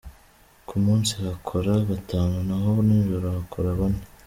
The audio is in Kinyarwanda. Ku munsi hakora batanu na ho nijoro hakora bane.